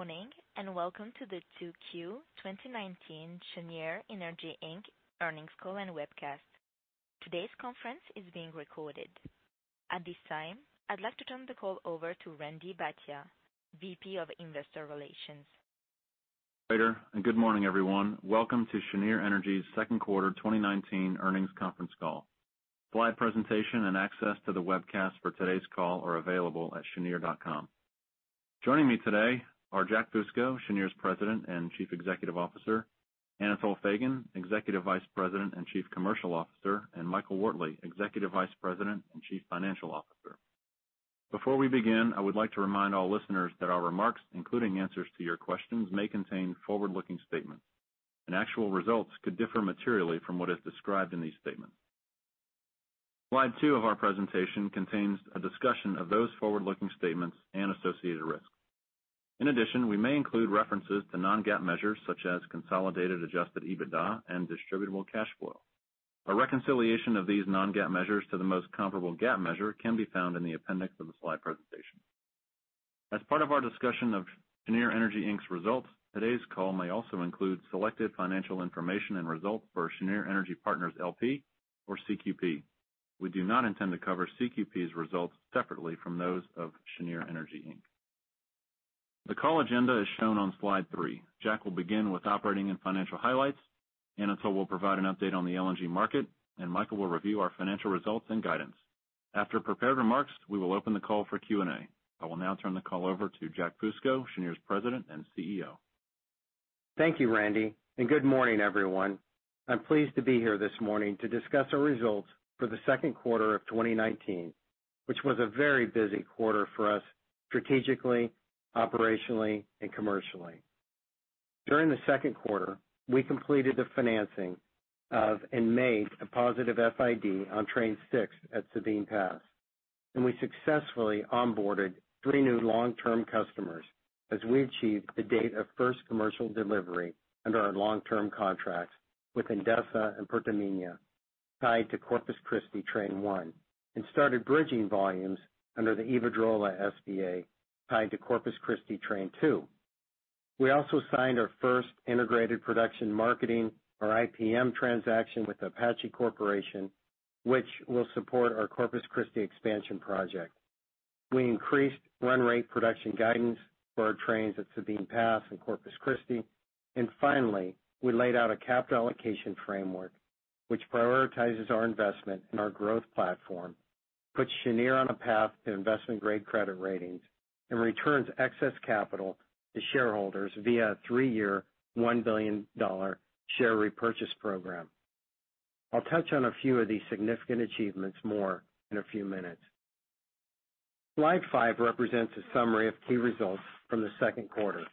Morning. Welcome to the 2Q 2019 Cheniere Energy, Inc. earnings call and webcast. Today's conference is being recorded. At this time, I'd like to turn the call over to Randy Bhatia, VP of Investor Relations. Later, and good morning, everyone. Welcome to Cheniere Energy's second quarter 2019 earnings conference call. Slide presentation and access to the webcast for today's call are available at cheniere.com. Joining me today are Jack Fusco, Cheniere's President and Chief Executive Officer, Anatol Feygin, Executive Vice President and Chief Commercial Officer, and Michael Wortley, Executive Vice President and Chief Financial Officer. Before we begin, I would like to remind all listeners that our remarks, including answers to your questions, may contain forward-looking statements, and actual results could differ materially from what is described in these statements. Slide two of our presentation contains a discussion of those forward-looking statements and associated risks. In addition, we may include references to non-GAAP measures such as consolidated adjusted EBITDA and distributable cash flow. A reconciliation of these non-GAAP measures to the most comparable GAAP measure can be found in the appendix of the slide presentation. As part of our discussion of Cheniere Energy, Inc.'s results, today's call may also include selected financial information and results for Cheniere Energy Partners, L.P. or CQP. We do not intend to cover CQP's results separately from those of Cheniere Energy, Inc. The call agenda is shown on slide three. Jack will begin with operating and financial highlights. Anatol will provide an update on the LNG market, and Michael will review our financial results and guidance. After prepared remarks, we will open the call for Q&A. I will now turn the call over to Jack Fusco, Cheniere's President and CEO. Thank you, Randy, and good morning, everyone. I'm pleased to be here this morning to discuss our results for the second quarter of 2019, which was a very busy quarter for us strategically, operationally, and commercially. During the second quarter, we completed the financing of and made a positive FID on Train 6 at Sabine Pass, and we successfully onboarded three new long-term customers as we achieved the date of first commercial delivery under our long-term contracts with Endesa and Pertamina tied to Corpus Christi Train 1, and started bridging volumes under the Iberdrola SBA tied to Corpus Christi Train 2. We also signed our first integrated production marketing, or IPM, transaction with Apache Corporation, which will support our Corpus Christi expansion project. We increased run rate production guidance for our trains at Sabine Pass and Corpus Christi. Finally, we laid out a capital allocation framework which prioritizes our investment in our growth platform, puts Cheniere on a path to investment-grade credit ratings, and returns excess capital to shareholders via a three-year, $1 billion share repurchase program. I'll touch on a few of these significant achievements more in a few minutes. Slide five represents a summary of key results from the second quarter.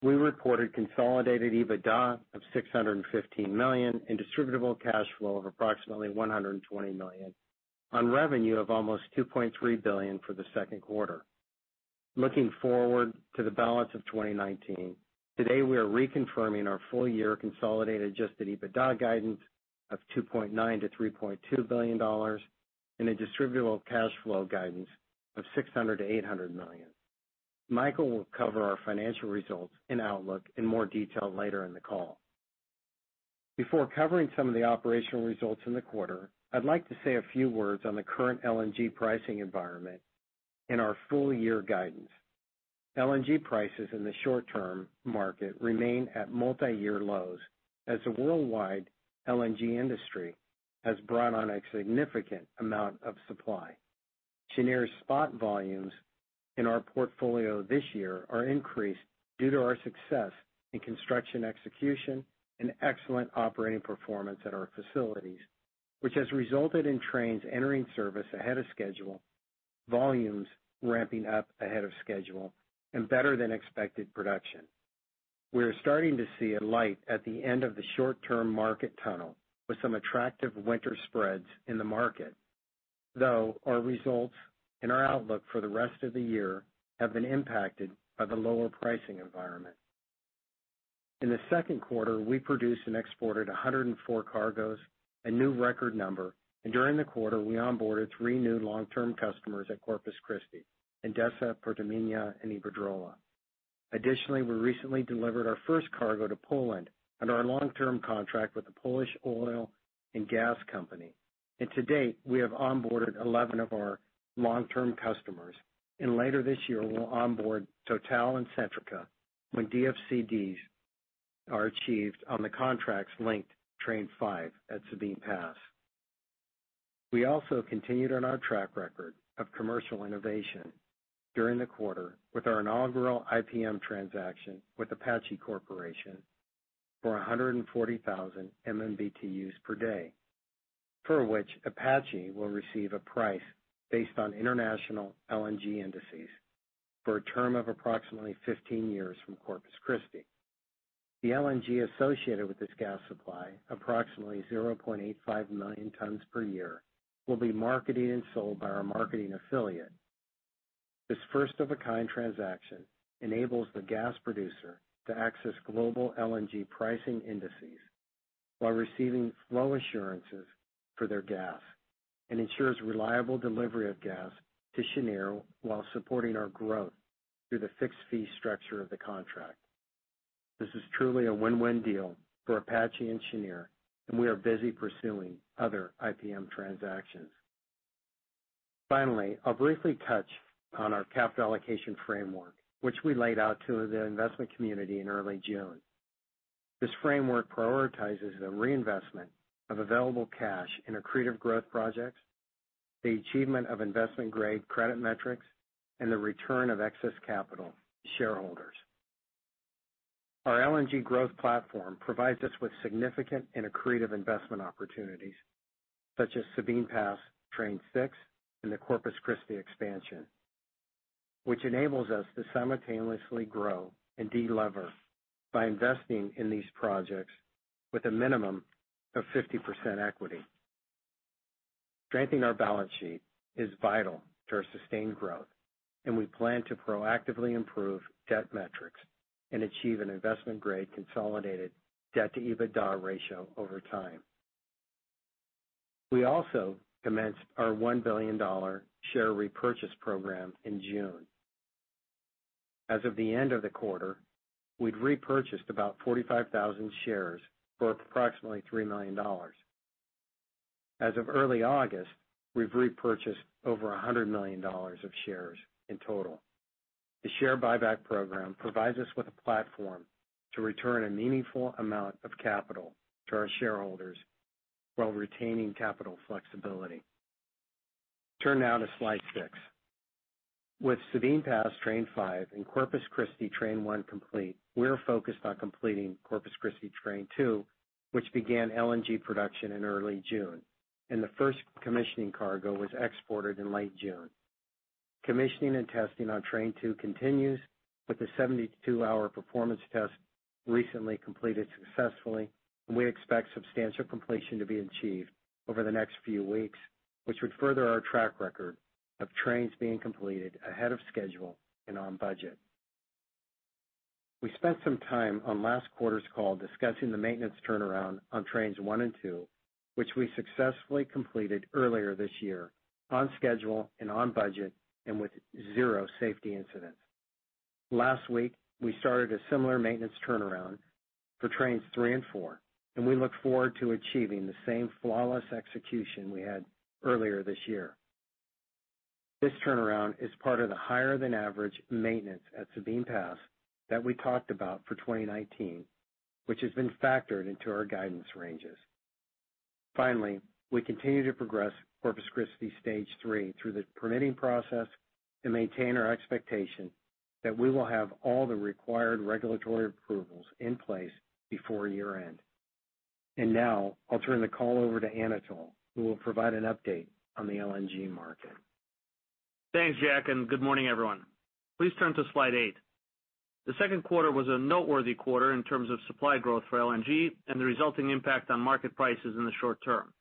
We reported consolidated EBITDA of $615 million and distributable cash flow of approximately $120 million on revenue of almost $2.3 billion for the second quarter. Looking forward to the balance of 2019, today we are reconfirming our full-year consolidated adjusted EBITDA guidance of $2.9 billion-$3.2 billion and a distributable cash flow guidance of $600 million-$800 million. Michael will cover our financial results and outlook in more detail later in the call. Before covering some of the operational results in the quarter, I'd like to say a few words on the current LNG pricing environment and our full-year guidance. LNG prices in the short-term market remain at multiyear lows as the worldwide LNG industry has brought on a significant amount of supply. Cheniere's spot volumes in our portfolio this year are increased due to our success in construction execution and excellent operating performance at our facilities, which has resulted in trains entering service ahead of schedule, volumes ramping up ahead of schedule, and better-than-expected production. We are starting to see a light at the end of the short-term market tunnel with some attractive winter spreads in the market. Though our results and our outlook for the rest of the year have been impacted by the lower pricing environment. In the second quarter, we produced and exported 104 cargoes, a new record number, and during the quarter, we onboarded three new long-term customers at Corpus Christi: Endesa, Pertamina, and Iberdrola. Additionally, we recently delivered our first cargo to Poland under our long-term contract with the Polish Oil and Gas Company. To date, we have onboarded 11 of our long-term customers. Later this year, we'll onboard Total and Centrica when DFCDs are achieved on the contracts linked to Train five at Sabine Pass. We also continued on our track record of commercial innovation during the quarter with our inaugural IPM transaction with Apache Corporation for 140,000 MMBtus per day, for which Apache will receive a price based on international LNG indices for a term of approximately 15 years from Corpus Christi. The LNG associated with this gas supply, approximately 0.85 million tons per year, will be marketed and sold by our marketing affiliate. This first-of-a-kind transaction enables the gas producer to access global LNG pricing indices while receiving flow assurances for their gas and ensures reliable delivery of gas to Cheniere, while supporting our growth through the fixed-fee structure of the contract. This is truly a win-win deal for Apache and Cheniere, and we are busy pursuing other IPM transactions. Finally, I'll briefly touch on our capital allocation framework, which we laid out to the investment community in early June. This framework prioritizes the reinvestment of available cash in accretive growth projects, the achievement of investment-grade credit metrics, and the return of excess capital to shareholders. Our LNG growth platform provides us with significant and accretive investment opportunities such as Sabine Pass Train 6 and the Corpus Christi expansion, which enables us to simultaneously grow and de-lever by investing in these projects with a minimum of 50% equity. Strengthening our balance sheet is vital to our sustained growth, and we plan to proactively improve debt metrics and achieve an investment-grade consolidated debt-to-EBITDA ratio over time. We also commenced our $1 billion share repurchase program in June. As of the end of the quarter, we'd repurchased about 45,000 shares for approximately $3 million. As of early August, we've repurchased over $100 million of shares in total. The share buyback program provides us with a platform to return a meaningful amount of capital to our shareholders while retaining capital flexibility. Turn now to slide six. With Sabine Pass Train five and Corpus Christi Train one complete, we are focused on completing Corpus Christi Train two, which began LNG production in early June, and the first commissioning cargo was exported in late June. Commissioning and testing on Train two continues with the 72-hour performance test recently completed successfully, and we expect substantial completion to be achieved over the next few weeks, which would further our track record of trains being completed ahead of schedule and on budget. We spent some time on last quarter's call discussing the maintenance turnaround on Trains one and two, which we successfully completed earlier this year on schedule and on budget, and with zero safety incidents. Last week, we started a similar maintenance turnaround for Trains three and four. We look forward to achieving the same flawless execution we had earlier this year. This turnaround is part of the higher-than-average maintenance at Sabine Pass that we talked about for 2019, which has been factored into our guidance ranges. Finally, we continue to progress Corpus Christi Stage 3 through the permitting process and maintain our expectation that we will have all the required regulatory approvals in place before year-end. Now I'll turn the call over to Anatol, who will provide an update on the LNG market. Thanks, Jack, and good morning, everyone. Please turn to slide eight. The second quarter was a noteworthy quarter in terms of supply growth for LNG and the resulting impact on market prices in the short term.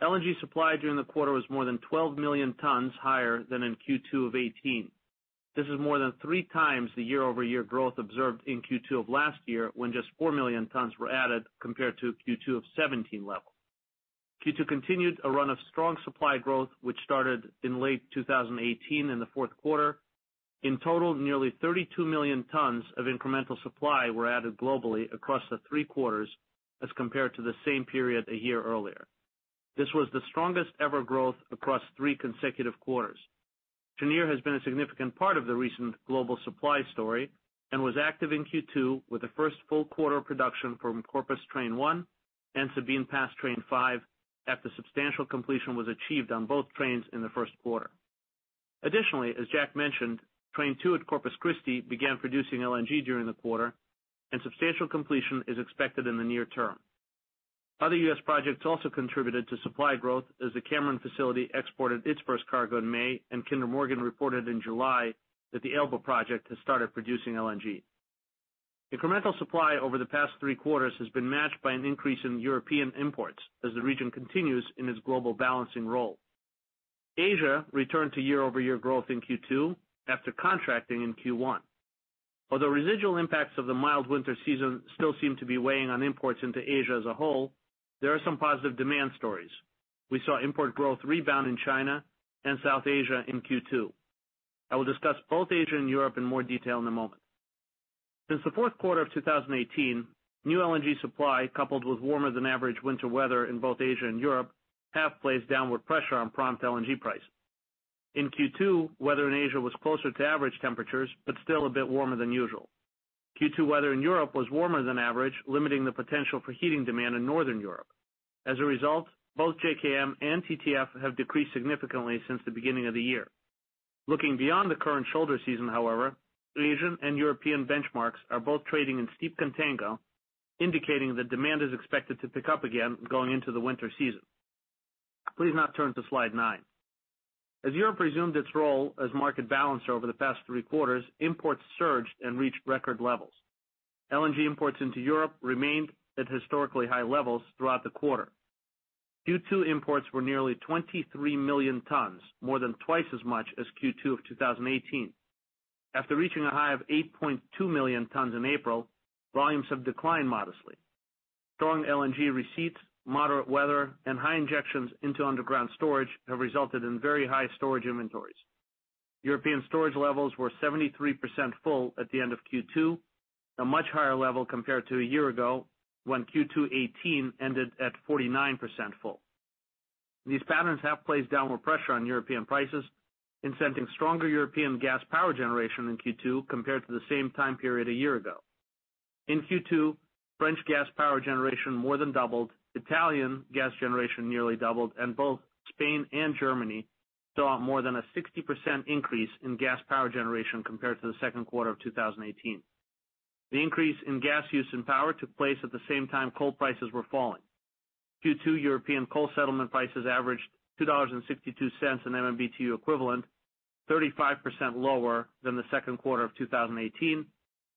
LNG supply during the quarter was more than 12 million tonnes higher than in Q2 of 2018. This is more than three times the year-over-year growth observed in Q2 of last year, when just four million tonnes were added compared to Q2 of 2017 level. Q2 continued a run of strong supply growth which started in late 2018 in the fourth quarter. In total, nearly 32 million tonnes of incremental supply were added globally across the three quarters as compared to the same period a year earlier. This was the strongest-ever growth across three consecutive quarters. Cheniere has been a significant part of the recent global supply story and was active in Q2 with the first full quarter of production from Corpus Train 1 and Sabine Pass Train 5 after substantial completion was achieved on both trains in the first quarter. Additionally, as Jack mentioned, Train 2 at Corpus Christi began producing LNG during the quarter, and substantial completion is expected in the near term. Other U.S. projects also contributed to supply growth as the Cameron facility exported its first cargo in May, and Kinder Morgan reported in July that the Elba project has started producing LNG. Incremental supply over the past three quarters has been matched by an increase in European imports as the region continues in its global balancing role. Asia returned to year-over-year growth in Q2 after contracting in Q1. Although residual impacts of the mild winter season still seem to be weighing on imports into Asia as a whole, there are some positive demand stories. We saw import growth rebound in China and South Asia in Q2. I will discuss both Asia and Europe in more detail in a moment. Since the fourth quarter of 2018, new LNG supply, coupled with warmer-than-average winter weather in both Asia and Europe, have placed downward pressure on prompt LNG prices. In Q2, weather in Asia was closer to average temperatures but still a bit warmer than usual. Q2 weather in Europe was warmer than average, limiting the potential for heating demand in Northern Europe. As a result, both JKM and TTF have decreased significantly since the beginning of the year. Looking beyond the current shoulder season, however, Asian and European benchmarks are both trading in steep contango, indicating that demand is expected to pick up again going into the winter season. Please now turn to slide nine. As Europe resumed its role as market balancer over the past three quarters, imports surged and reached record levels. LNG imports into Europe remained at historically high levels throughout the Q2 imports were nearly 23 million tons, more than twice as much as Q2 of 2018. After reaching a high of 8.2 million tons in April, volumes have declined modestly. Strong LNG receipts, moderate weather, and high injections into underground storage have resulted in very high storage inventories. European storage levels were 73% full at the end of Q2, a much higher level compared to a year ago when Q2 2018 ended at 49% full. These patterns have placed downward pressure on European prices, incenting stronger European gas power generation in Q2 compared to the same time period a year ago. In Q2, French gas power generation more than doubled, Italian gas generation nearly doubled, and both Spain and Germany saw more than a 60% increase in gas power generation compared to the second quarter of 2018. The increase in gas use and power took place at the same time coal prices were falling. Q2 European coal settlement prices averaged $2.62 an MMBtu equivalent, 35% lower than the second quarter of 2018,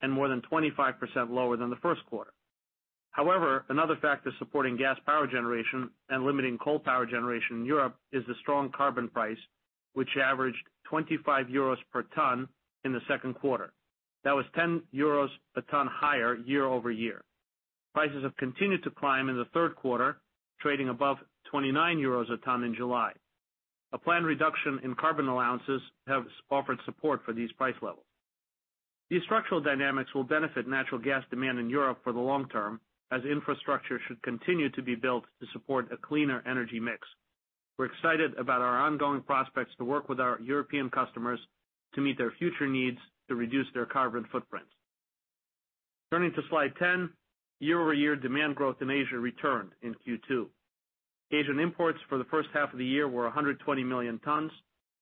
and more than 25% lower than the first quarter. Another factor supporting gas power generation and limiting coal power generation in Europe is the strong carbon price, which averaged 25 euros per ton in the second quarter. That was 10 euros a ton higher year-over-year. Prices have continued to climb in the third quarter, trading above 29 euros a ton in July. A planned reduction in carbon allowances have offered support for these price levels. These structural dynamics will benefit natural gas demand in Europe for the long term, as infrastructure should continue to be built to support a cleaner energy mix. We're excited about our ongoing prospects to work with our European customers to meet their future needs to reduce their carbon footprint. Turning to slide 10, year-over-year demand growth in Asia returned in Q2. Asian imports for the first half of the year were 120 million tons,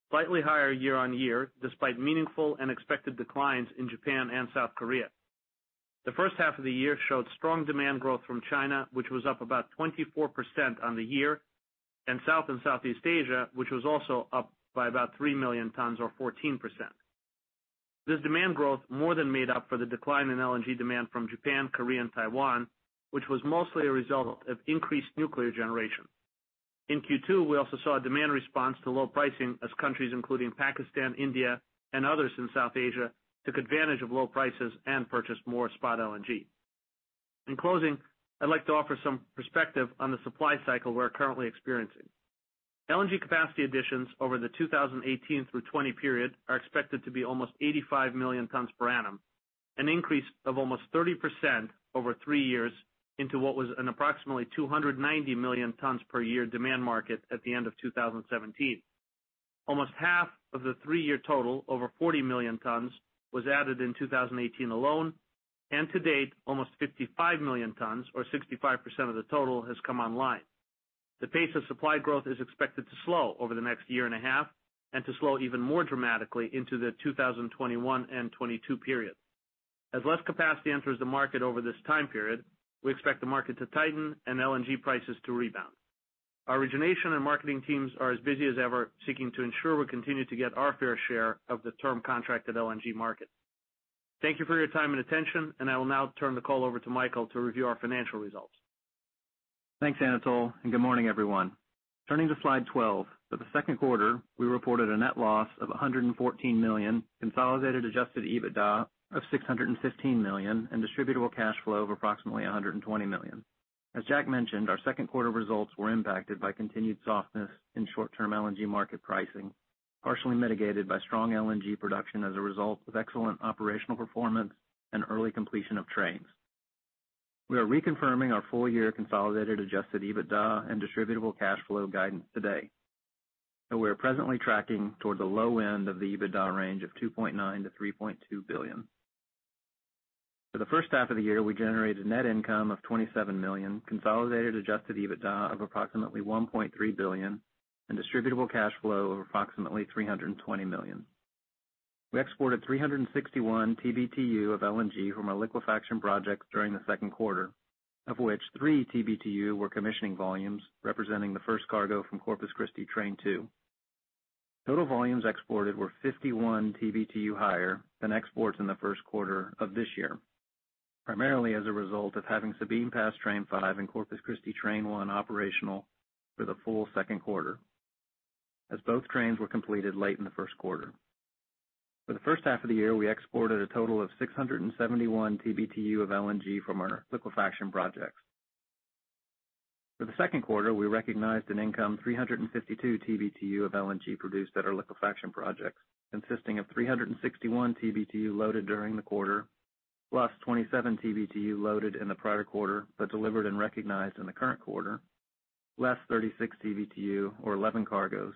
slightly higher year-on-year, despite meaningful and expected declines in Japan and South Korea. The first half of the year showed strong demand growth from China, which was up about 24% on the year, and South and Southeast Asia, which was also up by about 3 million tons or 14%. This demand growth more than made up for the decline in LNG demand from Japan, Korea, and Taiwan, which was mostly a result of increased nuclear generation. In Q2, we also saw a demand response to low pricing as countries including Pakistan, India, and others in South Asia took advantage of low prices and purchased more spot LNG. In closing, I'd like to offer some perspective on the supply cycle we're currently experiencing. LNG capacity additions over the 2018 through 2020 period are expected to be almost 85 million tons per annum, an increase of almost 30% over three years into what was an approximately 290 million tons per year demand market at the end of 2017. Almost half of the three-year total, over 40 million tons, was added in 2018 alone. To date, almost 55 million tons or 65% of the total has come online. The pace of supply growth is expected to slow over the next year and a half, to slow even more dramatically into the 2021 and 2022 period. As less capacity enters the market over this time period, we expect the market to tighten and LNG prices to rebound. Our origination and marketing teams are as busy as ever, seeking to ensure we continue to get our fair share of the term contracted LNG market. Thank you for your time and attention, and I will now turn the call over to Michael to review our financial results. Thanks, Anatol, and good morning, everyone. Turning to slide 12. For the second quarter, we reported a net loss of $114 million, consolidated adjusted EBITDA of $615 million, and distributable cash flow of approximately $120 million. As Jack mentioned, our second quarter results were impacted by continued softness in short-term LNG market pricing, partially mitigated by strong LNG production as a result of excellent operational performance and early completion of trains. We are reconfirming our full-year consolidated adjusted EBITDA and distributable cash flow guidance today. We are presently tracking toward the low end of the EBITDA range of $2.9 billion-$3.2 billion. For the first half of the year, we generated net income of $27 million, consolidated adjusted EBITDA of approximately $1.3 billion, and distributable cash flow of approximately $320 million. We exported 361 TBTU of LNG from our liquefaction projects during the second quarter, of which three TBTU were commissioning volumes, representing the first cargo from Corpus Christi Train 2. Total volumes exported were 51 TBTU higher than exports in the first quarter of this year, primarily as a result of having Sabine Pass Train 5 and Corpus Christi Train 1 operational for the full second quarter, as both trains were completed late in the first quarter. For the first half of the year, we exported a total of 671 TBTU of LNG from our liquefaction projects. For the second quarter, we recognized an income 352 TBTU of LNG produced at our liquefaction projects, consisting of 361 TBTU loaded during the quarter, plus 27 TBTU loaded in the prior quarter, but delivered and recognized in the current quarter, less 36 TBTU or 11 cargoes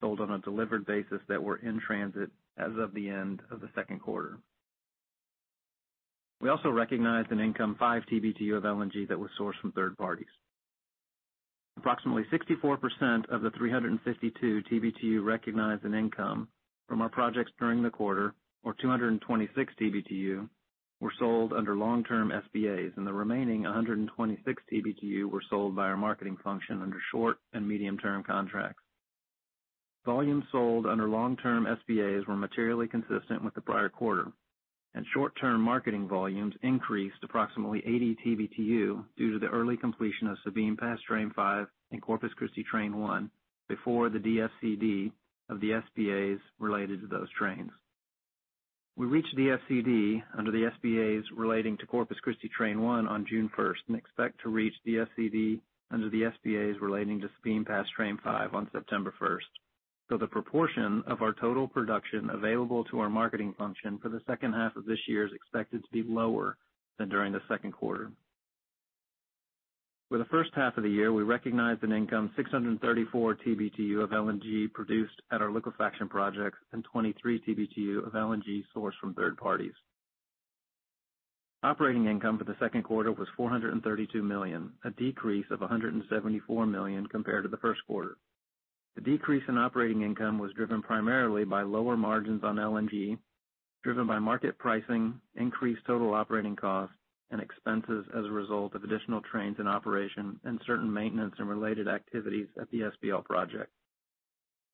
sold on a delivered basis that were in transit as of the end of the second quarter. We also recognized an income 5 TBTU of LNG that was sourced from third parties. Approximately 64% of the 352 TBTU recognized in income from our projects during the quarter, or 226 TBTU, were sold under long-term SBAs, and the remaining 126 TBTU were sold by our marketing function under short and medium-term contracts. Volumes sold under long-term SBAs were materially consistent with the prior quarter, and short-term marketing volumes increased approximately 80 TBTU due to the early completion of Sabine Pass train 5 and Corpus Christi train 1 before the DFCD of the SBAs related to those trains. We reached DFCD under the SBAs relating to Corpus Christi train 1 on June 1st and expect to reach DFCD under the SBAs relating to Sabine Pass train 5 on September 1st. The proportion of our total production available to our marketing function for the second half of this year is expected to be lower than during the second quarter. For the first half of the year, we recognized an income 634 TBTU of LNG produced at our liquefaction projects and 23 TBTU of LNG sourced from third parties. Operating income for the second quarter was $432 million, a decrease of $174 million compared to the first quarter. The decrease in operating income was driven primarily by lower margins on LNG, driven by market pricing, increased total operating costs, and expenses as a result of additional trains in operation and certain maintenance and related activities at the SPL project,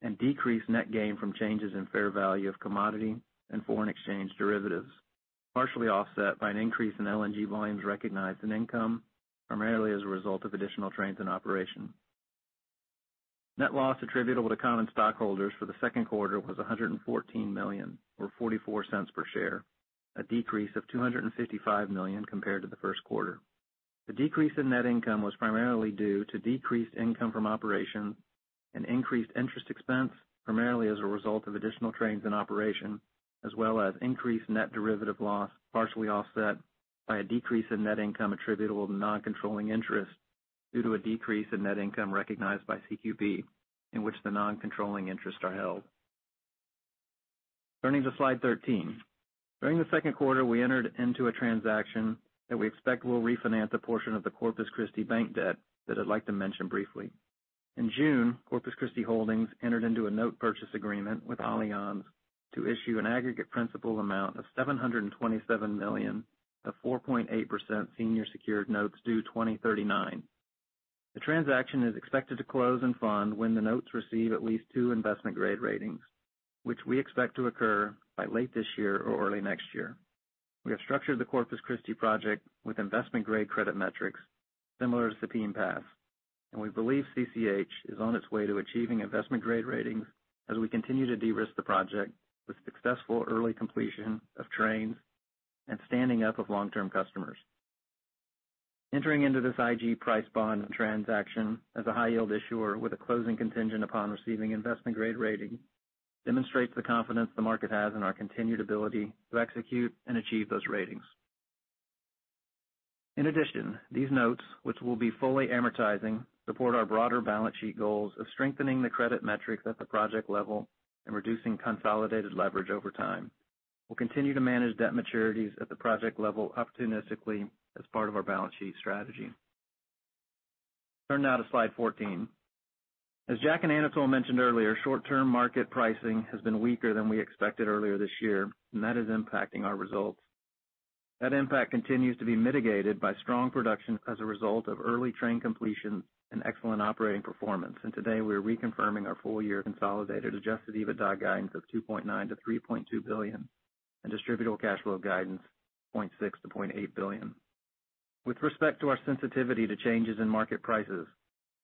and decreased net gain from changes in fair value of commodity and foreign exchange derivatives, partially offset by an increase in LNG volumes recognized in income, primarily as a result of additional trains in operation. Net loss attributable to common stockholders for the second quarter was $114 million, or $0.44 per share, a decrease of $255 million compared to the first quarter. The decrease in net income was primarily due to decreased income from operations and increased interest expense, primarily as a result of additional trains in operation, as well as increased net derivative loss, partially offset by a decrease in net income attributable to non-controlling interests due to a decrease in net income recognized by CQP, in which the non-controlling interests are held. Turning to slide 13. During the second quarter, we entered into a transaction that we expect will refinance a portion of the Corpus Christi bank debt that I'd like to mention briefly. In June, Corpus Christi Holdings entered into a note purchase agreement with Allianz to issue an aggregate principal amount of $727 million of 4.8% senior secured notes due 2039. The transaction is expected to close and fund when the notes receive at least two investment-grade ratings, which we expect to occur by late this year or early next year. We have structured the Corpus Christi project with investment-grade credit metrics similar to Sabine Pass, and we believe CCH is on its way to achieving investment-grade ratings as we continue to de-risk the project with successful early completion of trains and standing up of long-term customers. Entering into this IG-priced bond transaction as a high-yield issuer with a closing contingent upon receiving investment-grade rating demonstrates the confidence the market has in our continued ability to execute and achieve those ratings. In addition, these notes, which will be fully amortizing, support our broader balance sheet goals of strengthening the credit metrics at the project level and reducing consolidated leverage over time. We'll continue to manage debt maturities at the project level opportunistically as part of our balance sheet strategy. Turning now to slide 14. As Jack and Anatol mentioned earlier, short-term market pricing has been weaker than we expected earlier this year, and that is impacting our results. That impact continues to be mitigated by strong production as a result of early train completion and excellent operating performance. Today, we are reconfirming our full-year consolidated adjusted EBITDA guidance of $2.9 billion-$3.2 billion and distributable cash flow guidance of $0.6 billion-$0.8 billion. With respect to our sensitivity to changes in market prices,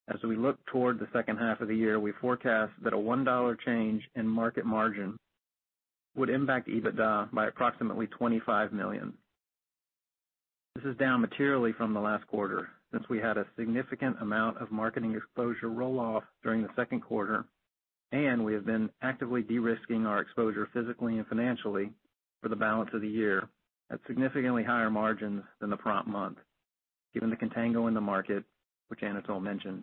as we look toward the second half of the year, we forecast that a $1 change in market margin would impact EBITDA by approximately $25 million. This is down materially from the last quarter since we had a significant amount of marketing exposure roll off during the second quarter, and we have been actively de-risking our exposure physically and financially for the balance of the year at significantly higher margins than the prompt month, given the contango in the market, which Anatol mentioned.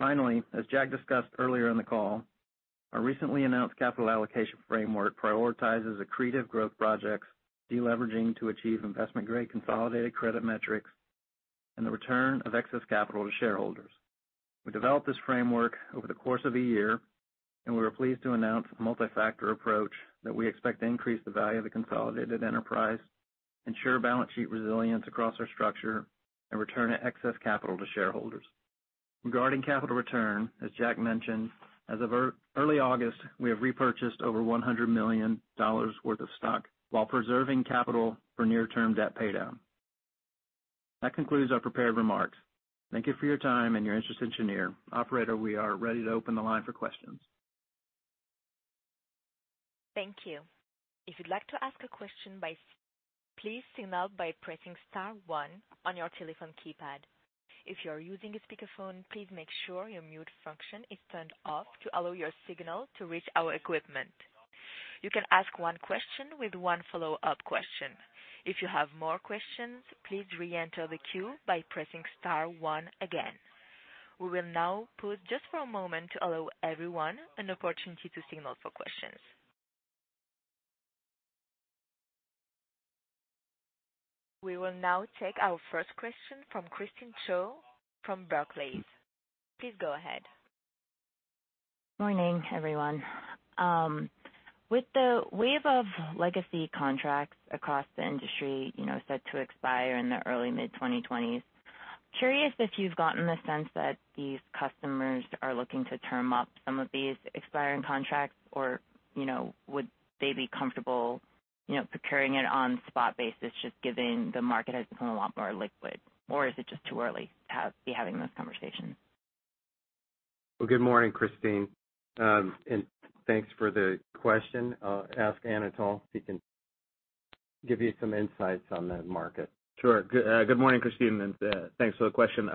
Finally, as Jack discussed earlier in the call, our recently announced capital allocation framework prioritizes accretive growth projects, de-leveraging to achieve investment-grade consolidated credit metrics, and the return of excess capital to shareholders. We developed this framework over the course of a year. We were pleased to announce a multi-factor approach that we expect to increase the value of the consolidated enterprise, ensure balance sheet resilience across our structure, and return excess capital to shareholders. Regarding capital return, as Jack mentioned, as of early August, we have repurchased over $100 million worth of stock while preserving capital for near-term debt paydown. That concludes our prepared remarks. Thank you for your time and your interest in Cheniere. Operator, we are ready to open the line for questions. Thank you. If you'd like to ask a question, please signal by pressing *1 on your telephone keypad. If you are using a speakerphone, please make sure your mute function is turned off to allow your signal to reach our equipment. You can ask one question with one follow-up question. If you have more questions, please re-enter the queue by pressing *1 again. We will now pause just for a moment to allow everyone an opportunity to signal for questions. We will now take our first question from Christine Cho from Barclays. Please go ahead. Good morning, everyone. With the wave of legacy contracts across the industry set to expire in the early mid-2020s. Curious if you've gotten the sense that these customers are looking to term up some of these expiring contracts, or would they be comfortable procuring it on spot basis, just given the market has become a lot more liquid? Is it just too early to be having those conversations? Well, good morning, Christine. Thanks for the question. I'll ask Anatol if he can give you some insights on the market. Sure. Good morning, Christine, thanks for the question.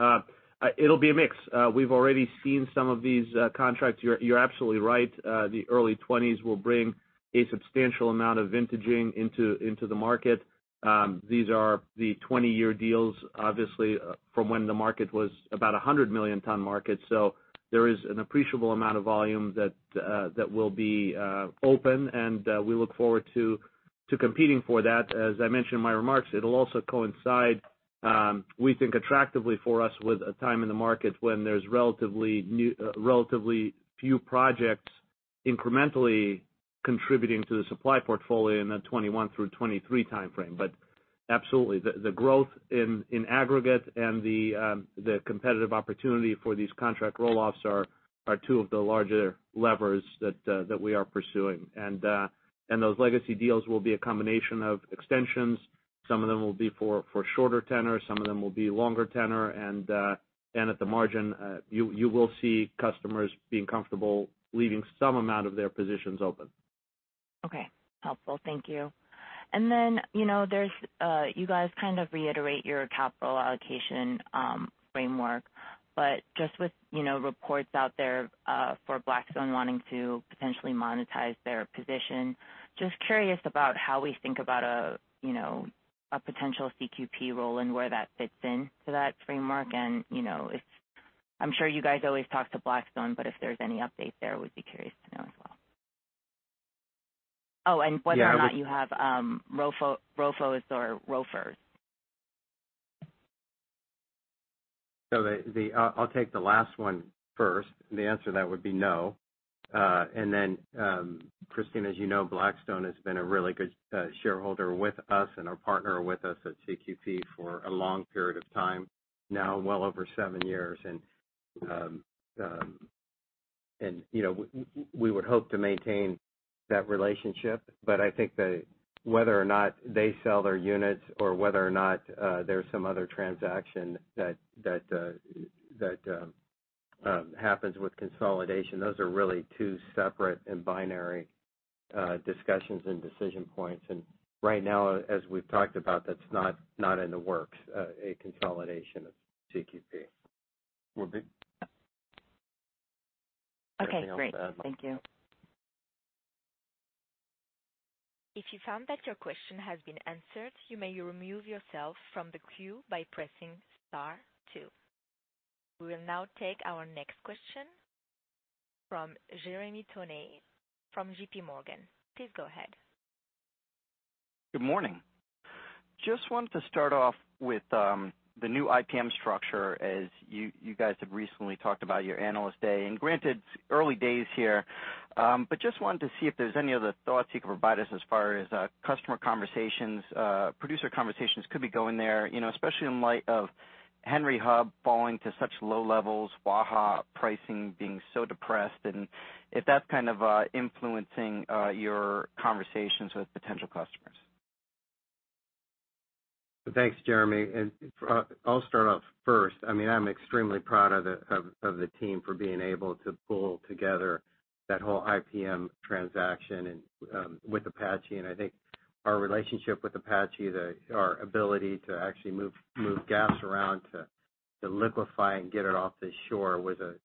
It'll be a mix. We've already seen some of these contracts. You're absolutely right. The early 2020s will bring a substantial amount of vintaging into the market. These are the 20-year deals, obviously, from when the market was about 100-million-ton market. There is an appreciable amount of volume that will be open, and we look forward to competing for that. As I mentioned in my remarks, it'll also coincide, we think attractively for us, with a time in the market when there's relatively few projects incrementally contributing to the supply portfolio in that 2021 through 2023 timeframe. Absolutely, the growth in aggregate and the competitive opportunity for these contract roll-offs are two of the larger levers that we are pursuing. Those legacy deals will be a combination of extensions. Some of them will be for shorter tenor, some of them will be longer tenor. At the margin, you will see customers being comfortable leaving some amount of their positions open. Okay. Helpful. Thank you. Then, you guys kind of reiterate your capital allocation framework, but just with reports out there for Blackstone wanting to potentially monetize their position, just curious about how we think about a potential CQP role and where that fits into that framework. I'm sure you guys always talk to Blackstone, but if there's any update there, would be curious to know as well. Whether or not you have ROFOs or ROFRs. I'll take the last one first. The answer to that would be no. Christine, as you know, Blackstone has been a really good shareholder with us and our partner with us at CQP for a long period of time, now well over seven years. We would hope to maintain that relationship. I think that whether or not they sell their units or whether or not there's some other transaction that happens with consolidation, those are really two separate and binary discussions and decision points. Right now, as we've talked about, that's not in the works, a consolidation of CQP. We're good. Okay, great. Thank you. If you found that your question has been answered, you may remove yourself from the queue by pressing star two. We will now take our next question from Jeremy Tonet from JPMorgan. Please go ahead. Good morning. Just wanted to start off with the new IPM structure, as you guys have recently talked about your analyst day. Granted, early days here. Just wanted to see if there's any other thoughts you could provide us as far as customer conversations, producer conversations could be going there, especially in light of Henry Hub falling to such low levels, Waha pricing being so depressed, and if that's kind of influencing your conversations with potential customers. Thanks, Jeremy. I'll start off first. I'm extremely proud of the team for being able to pull together that whole IPM transaction and with Apache. I think our relationship with Apache, our ability to actually move gas around to liquefy and get it off the shore was a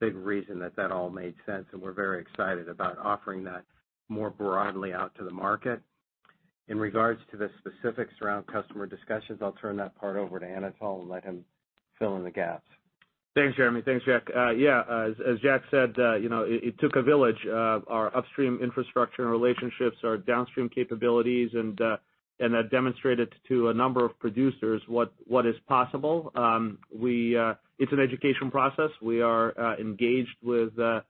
big reason that all made sense, and we're very excited about offering that more broadly out to the market. In regards to the specifics around customer discussions, I'll turn that part over to Anatol and let him fill in the gaps. Thanks, Jeremy. Thanks, Jack. Yeah. As Jack said, it took a village. Our upstream infrastructure and relationships, our downstream capabilities, that demonstrated to a number of producers what is possible. It's an education process. We are engaged with a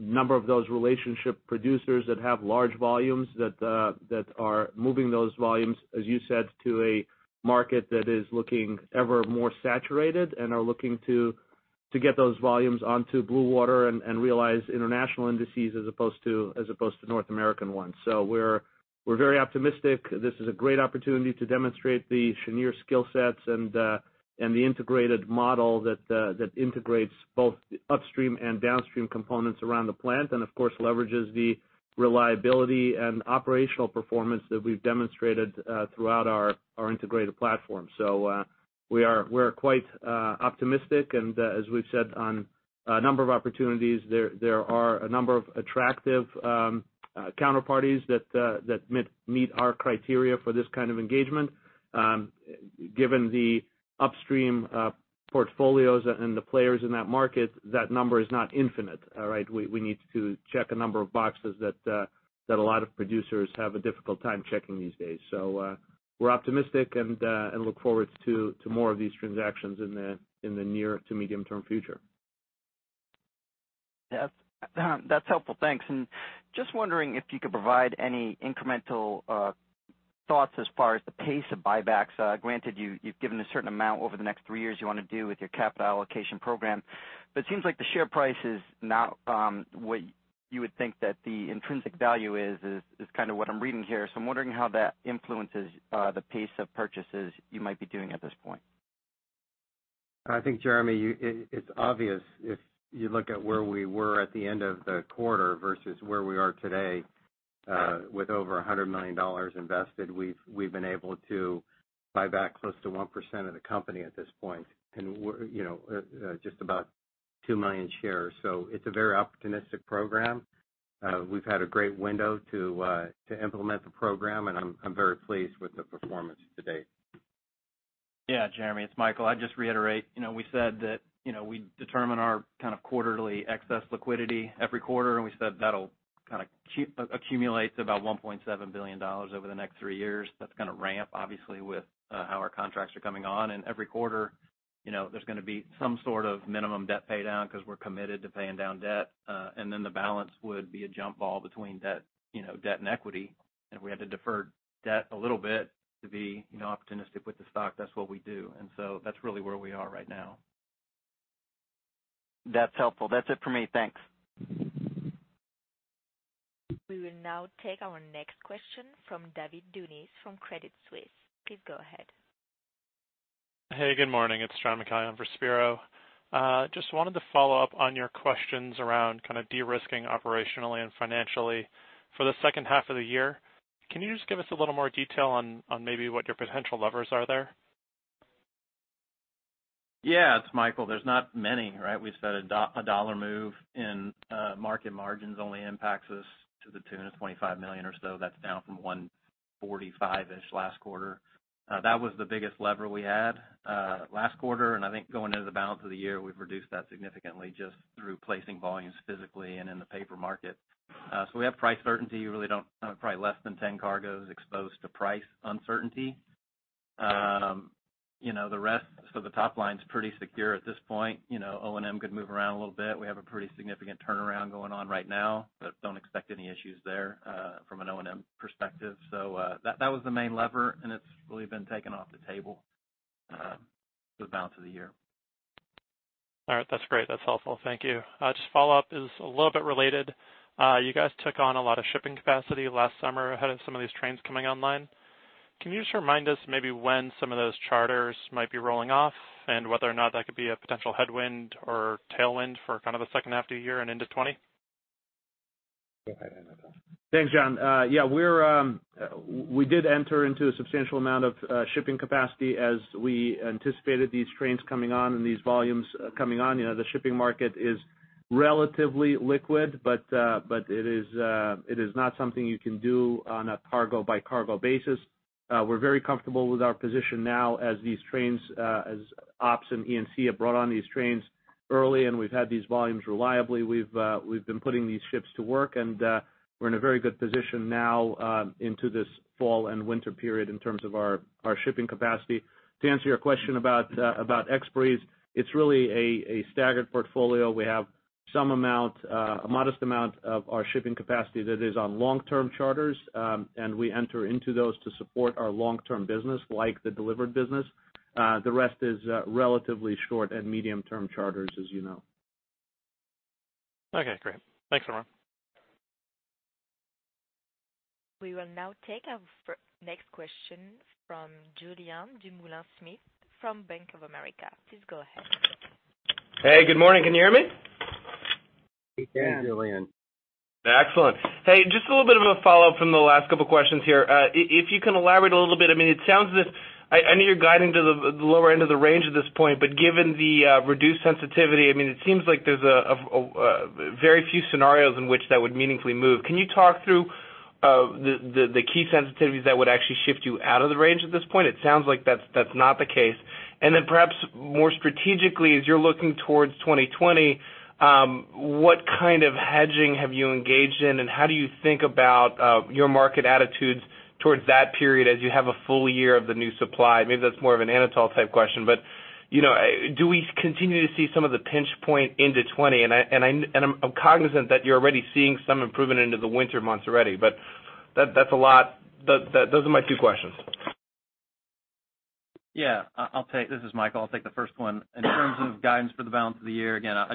number of those relationship producers that have large volumes that are moving those volumes, as you said, to a market that is looking ever more saturated and are looking to get those volumes onto blue water and realize international indices as opposed to North American ones. We're very optimistic. This is a great opportunity to demonstrate the Cheniere skill sets and the integrated model that integrates both upstream and downstream components around the plant, and of course, leverages the reliability and operational performance that we've demonstrated throughout our integrated platform. We're quite optimistic. As we've said on a number of opportunities, there are a number of attractive counterparties that meet our criteria for this kind of engagement. Given the upstream portfolios and the players in that market, that number is not infinite. We need to check a number of boxes that a lot of producers have a difficult time checking these days. We're optimistic and look forward to more of these transactions in the near to medium-term future. Yeah. That's helpful. Thanks. Just wondering if you could provide any incremental thoughts as far as the pace of buybacks. Granted, you've given a certain amount over the next three years you want to do with your capital allocation program. It seems like the share price is not what you would think that the intrinsic value is kind of what I'm reading here. I'm wondering how that influences the pace of purchases you might be doing at this point. I think, Jeremy, it's obvious if you look at where we were at the end of the quarter versus where we are today, with over $100 million invested, we've been able to buy back close to 1% of the company at this point. We're just about two million shares. It's a very opportunistic program. We've had a great window to implement the program, and I'm very pleased with the performance to date. Yeah, Jeremy, it's Michael. I'd just reiterate, we said that we determine our kind of quarterly excess liquidity every quarter, and we said that'll kind of accumulates about $1.7 billion over the next three years. That's going to ramp obviously with how our contracts are coming on. Every quarter, there's going to be some sort of minimum debt paydown because we're committed to paying down debt. The balance would be a jump ball between debt and equity. We had to defer debt a little bit to be opportunistic with the stock. That's what we do. That's really where we are right now. That's helpful. That's it for me. Thanks. We will now take our next question from David Dunis from Credit Suisse. Please go ahead. Hey, good morning. It's John McCallion for Spiro. Just wanted to follow up on your questions around kind of de-risking operationally and financially for the second half of the year. Can you just give us a little more detail on maybe what your potential levers are there? Yeah. It's Michael. There's not many, right? We said a dollar move in market margins only impacts us to the tune of $25 million or so. That's down from $145-ish last quarter. That was the biggest lever we had last quarter. I think going into the balance of the year, we've reduced that significantly just through placing volumes physically and in the paper market. We have price certainty. Probably less than 10 cargoes exposed to price uncertainty. The top line's pretty secure at this point. O&M could move around a little bit. We have a pretty significant turnaround going on right now. Don't expect any issues there from an O&M perspective. That was the main lever. It's really been taken off the table for the balance of the year. All right. That's great. That's helpful. Thank you. Just follow up is a little bit related. You guys took on a lot of shipping capacity last summer ahead of some of these trains coming online. Can you just remind us maybe when some of those charters might be rolling off and whether or not that could be a potential headwind or tailwind for kind of the second half of the year and into 2020? Go ahead, Anatol. Thanks, John. Yeah, we did enter into a substantial amount of shipping capacity as we anticipated these trains coming on and these volumes coming on. The shipping market is relatively liquid, but it is not something you can do on a cargo-by-cargo basis. We're very comfortable with our position now as these trains, as ops and E&C have brought on these trains early, and we've had these volumes reliably. We've been putting these ships to work, and we're in a very good position now into this fall and winter period in terms of our shipping capacity. To answer your question about expiries, it's really a staggered portfolio. We have a modest amount of our shipping capacity that is on long-term charters, and we enter into those to support our long-term business like the delivered business. The rest is relatively short and medium-term charters, as you know. Okay, great. Thanks a lot. We will now take our next question from Julien Dumoulin-Smith from Bank of America. Please go ahead. Hey, good morning. Can you hear me? We can. Yeah, Julien. Excellent. Hey, just a little bit of a follow-up from the last couple of questions here. If you can elaborate a little bit, I mean, I know you're guiding to the lower end of the range at this point, but given the reduced sensitivity, I mean, it seems like there's very few scenarios in which that would meaningfully move. Can you talk through the key sensitivities that would actually shift you out of the range at this point? It sounds like that's not the case. Perhaps more strategically, as you're looking towards 2020, what kind of hedging have you engaged in, and how do you think about your market attitudes towards that period as you have a full year of the new supply? Maybe that's more of an Anatol-type question, but do we continue to see some of the pinch point into 2020? I'm cognizant that you're already seeing some improvement into the winter months already, but those are my two questions. Yeah. This is Michael. I'll take the first one. In terms of guidance for the balance of the year, again, I'll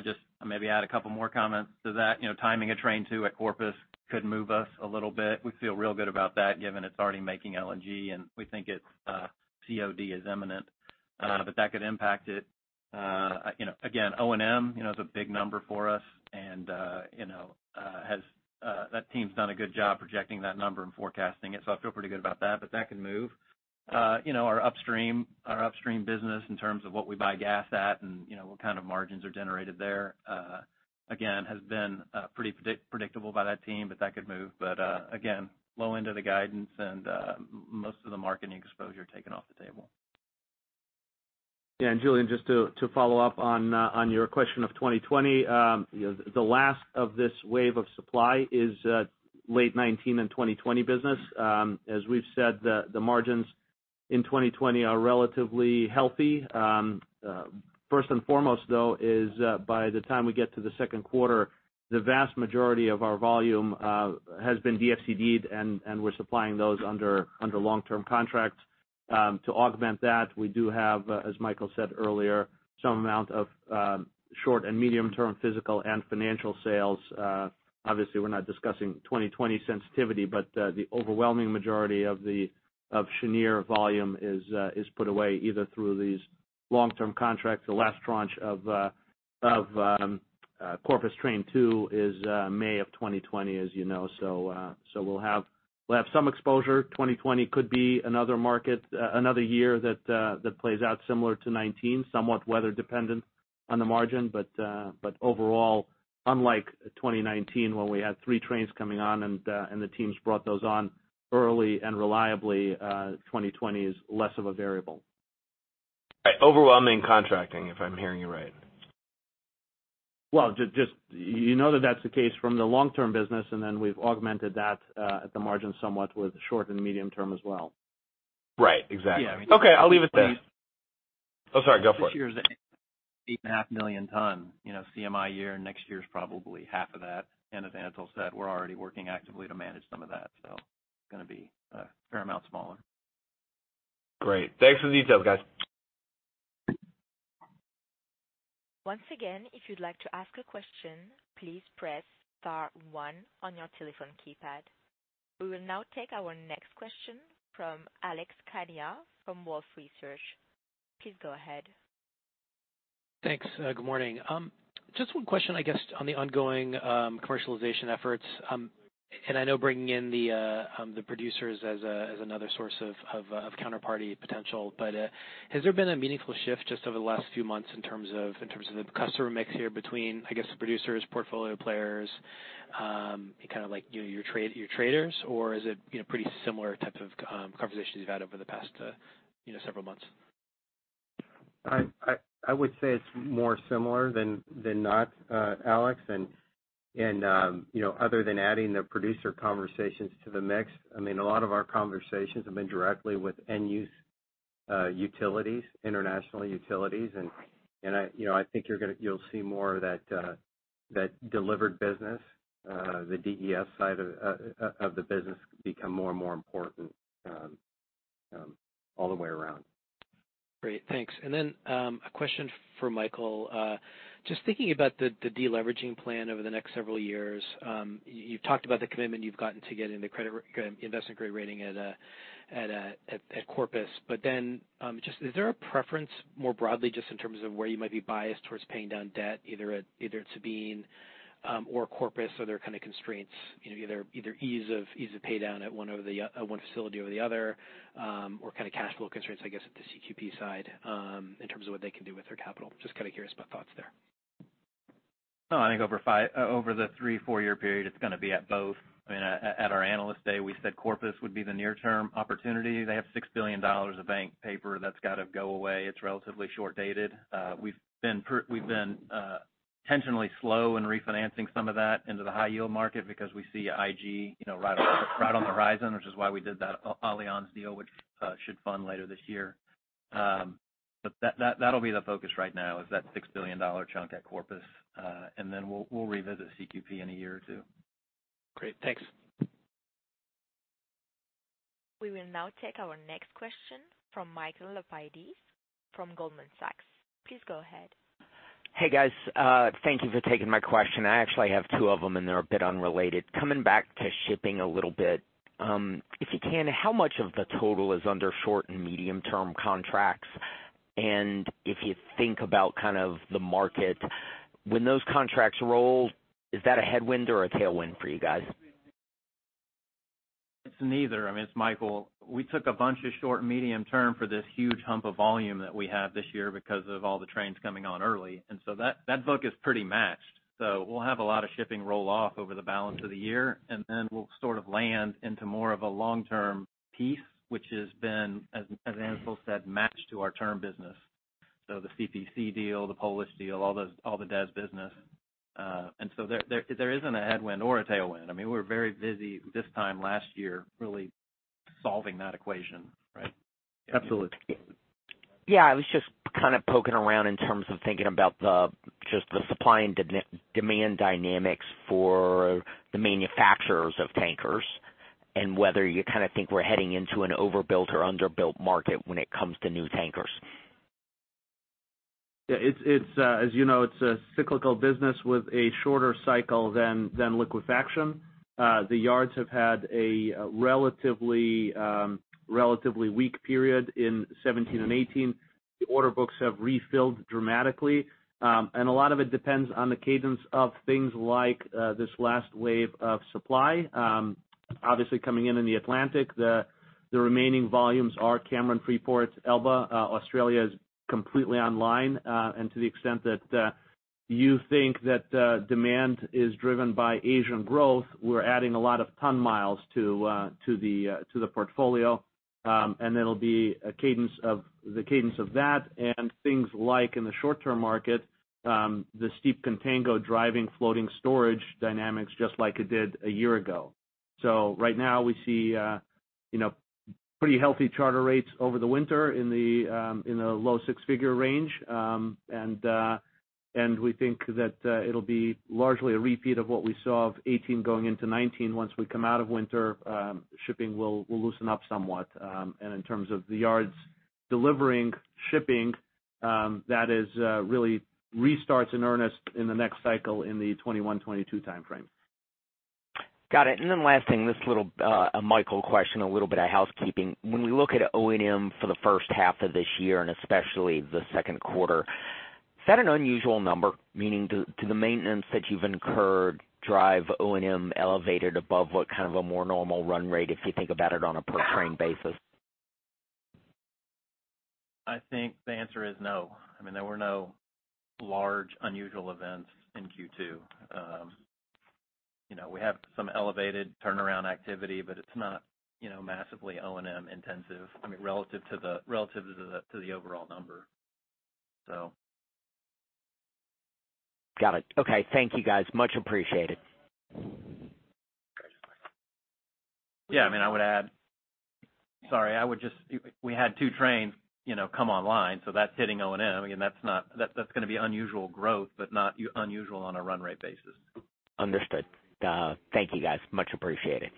maybe add a couple more comments to that. Timing a train 2 at Corpus could move us a little bit. We feel real good about that, given it's already making LNG, and we think its COD is imminent. That could impact it. Again, O&M is a big number for us and that team's done a good job projecting that number and forecasting it. I feel pretty good about that, but that can move. Our upstream business in terms of what we buy gas at and what kind of margins are generated there, again, has been pretty predictable by that team, but that could move. Again, low end of the guidance and most of the marketing exposure taken off the table. Julien, just to follow up on your question of 2020. The last of this wave of supply is late 2019 and 2020 business. As we've said, the margins in 2020 are relatively healthy. First and foremost, though, is by the time we get to the second quarter, the vast majority of our volume has been DFCD, and we're supplying those under long-term contracts. To augment that, we do have, as Michael said earlier, some amount of short and medium-term physical and financial sales. Obviously, we're not discussing 2020 sensitivity, but the overwhelming majority of Cheniere volume is put away either through these long-term contracts. The last tranche of Corpus Train 2 is May of 2020, as you know. We'll have some exposure. 2020 could be another year that plays out similar to 2019, somewhat weather-dependent on the margin, but overall, unlike 2019, when we had three trains coming on, and the teams brought those on early and reliably, 2020 is less of a variable. Overwhelming contracting, if I'm hearing you right. Well, you know that that's the case from the long-term business, and then we've augmented that at the margin somewhat with short and medium-term as well. Right. Exactly. Okay, I'll leave it there. Oh, sorry, go for it. This year is an 8.5 million ton CMI year, next year is probably half of that. As Anatol said, we're already working actively to manage some of that. It's going to be a fair amount smaller. Great. Thanks for the details, guys. Once again, if you'd like to ask a question, please press star one on your telephone keypad. We will now take our next question from Alex Kania from Wolfe Research. Please go ahead. Thanks. Good morning. Just one question, I guess, on the ongoing commercialization efforts. I know bringing in the producers as another source of counterparty potential. Has there been a meaningful shift just over the last few months in terms of the customer mix here between, I guess, the producers, portfolio players, and kind of like your traders? Is it pretty similar type of conversations you've had over the past several months? I would say it's more similar than not, Alex. Other than adding the producer conversations to the mix, a lot of our conversations have been directly with end-use utilities, international utilities. I think you'll see more of that delivered business, the DES side of the business become more and more important all the way around. Great, thanks. A question for Michael. Just thinking about the de-leveraging plan over the next several years. You've talked about the commitment you've gotten to getting the investment-grade rating at Corpus. Is there a preference more broadly, just in terms of where you might be biased towards paying down debt, either at Sabine or Corpus? Are there kind of constraints, either ease of pay down at one facility over the other, or kind of cash flow constraints, I guess, at the CQP side, in terms of what they can do with their capital? Just kind of curious about thoughts there. No, I think over the three, four-year period, it's going to be at both. At our Analyst Day, we said Corpus would be the near-term opportunity. They have $6 billion of bank paper that's got to go away. It's relatively short-dated. We've been intentionally slow in refinancing some of that into the high-yield market because we see IG right on the horizon, which is why we did that Allianz deal, which should fund later this year. That'll be the focus right now is that $6 billion chunk at Corpus. Then we'll revisit CQP in a year or two. Great, thanks. We will now take our next question from Michael Lapides from Goldman Sachs. Please go ahead. Hey, guys. Thank you for taking my question. I actually have two of them, and they're a bit unrelated. Coming back to shipping a little bit. If you can, how much of the total is under short and medium-term contracts? If you think about kind of the market, when those contracts roll, is that a headwind or a tailwind for you guys? It's neither. It's Michael. We took a bunch of short and medium-term for this huge hump of volume that we have this year because of all the trains coming on early. That book is pretty matched. We'll have a lot of shipping roll-off over the balance of the year, and then we'll sort of land into more of a long-term piece, which has been, as Anatol said, matched to our term business. The CPC deal, the Polish deal, all the DES business. There isn't a headwind or a tailwind. We were very busy this time last year really solving that equation, right? Absolutely. Yeah, I was just kind of poking around in terms of thinking about just the supply and demand dynamics for the manufacturers of tankers, and whether you kind of think we're heading into an overbuilt or underbuilt market when it comes to new tankers. Yeah. As you know, it's a cyclical business with a shorter cycle than liquefaction. The yards have had a relatively weak period in 2017 and 2018. The order books have refilled dramatically. A lot of it depends on the cadence of things like this last wave of supply. Obviously, coming in in the Atlantic, the remaining volumes are Cameron, Freeport, Elba. Australia is completely online. To the extent that you think that demand is driven by Asian growth, we're adding a lot of ton miles to the portfolio, and it'll be the cadence of that, and things like in the short-term market, the steep contango driving floating storage dynamics just like it did a year ago. Right now we see pretty healthy charter rates over the winter in the low six-figure range. We think that it'll be largely a repeat of what we saw of 2018 going into 2019. Once we come out of winter, shipping will loosen up somewhat. In terms of the yards delivering shipping, that is really restarts in earnest in the next cycle, in the 2021, 2022 timeframe. Got it. Last thing, this little Michael question, a little bit of housekeeping. When we look at O&M for the first half of this year, and especially the second quarter, is that an unusual number? Meaning do the maintenance that you've incurred drive O&M elevated above what kind of a more normal run rate, if you think about it on a per train basis? I think the answer is no. There were no large, unusual events in Q2. We have some elevated turnaround activity, but it's not massively O&M-intensive relative to the overall number. Got it. Okay. Thank you, guys. Much appreciated. Yeah. I would add, sorry. We had two trains come online, so that's hitting O&M. That's going to be unusual growth, but not unusual on a run rate basis. Understood. Thank you, guys. Much appreciated.